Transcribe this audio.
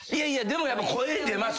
でもやっぱ声出ますよ